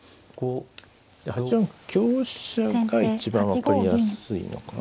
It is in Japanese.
８四香車が一番分かりやすいのかな。